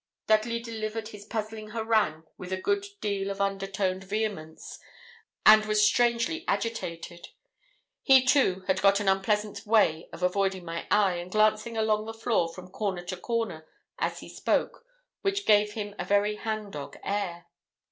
Dudley delivered his puzzling harangue with a good deal of undertoned vehemence, and was strangely agitated. He, too, had got an unpleasant way of avoiding my eye, and glancing along the floor from corner to corner as he spoke, which gave him a very hang dog air.